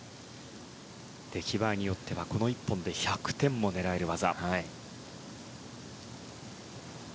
出来栄えによってはこの１本で１００点も狙える技。